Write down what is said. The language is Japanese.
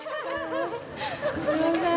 すみません